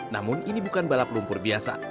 namun ini bukan balap lumpur biasa